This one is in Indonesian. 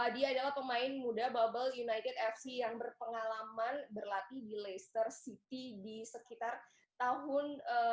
dia adalah pemain muda bubble united fc yang berpengalaman berlatih di leicester city di sekitar tahun dua ribu dua belas